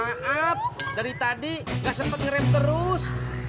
maaf dari tadi gak sempet ngeram terus